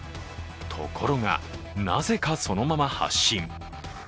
ところが、なぜかそのまま発進。